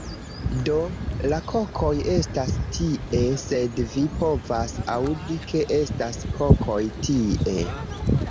Do, la kokoj estas tie sed vi povas aŭdi, ke estas kokoj tie